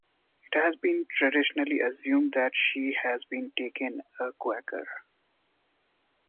It has been traditionally assumed that she had been a Quaker.